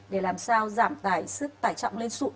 để làm sao giảm tải sức tải trọng lên sụn